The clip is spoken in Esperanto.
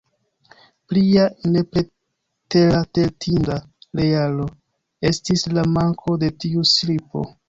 Plia nepreteratentinda realo estis la manko de tiu slipo.